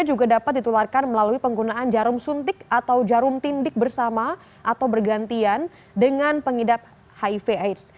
juga dapat ditularkan melalui penggunaan jarum suntik atau jarum tindik bersama atau bergantian dengan pengidap hiv aids